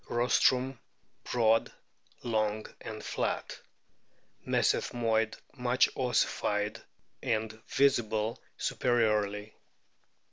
Rostrum broad, long, and flat. Mesethmoid much ossified and visible superiorly.